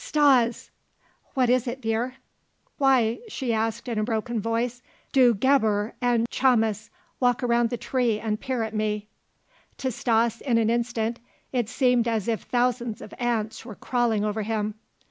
"Stas!" "What is it, dear?" "Why," she asked in a broken voice, "do Gebhr and Chamis walk around the tree and peer at me?" To Stas in an instant it seemed as if thousands of ants were crawling over him.